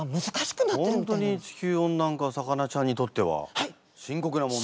本当に地球温暖化魚ちゃんにとっては深刻な問題。